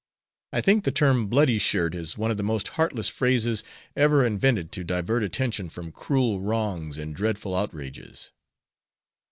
I think the term 'bloody shirt' is one of the most heartless phrases ever invented to divert attention from cruel wrongs and dreadful outrages."